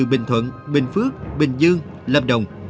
bình thuận bình phước bình dương lâm đồng